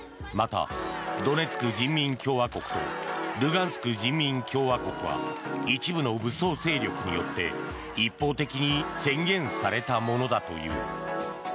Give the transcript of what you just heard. また、ドネツク人民共和国とルガンスク人民共和国は一部の武装勢力によって一方的に宣言されたものだという。